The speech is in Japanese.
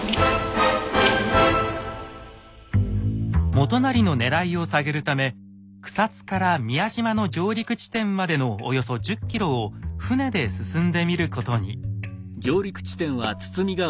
元就のねらいを探るため草津から宮島の上陸地点までのおよそ１０ｋｍを船で進んでみることに。